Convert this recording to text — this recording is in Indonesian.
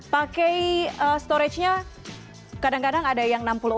pakai storage nya kadang kadang ada yang enam puluh empat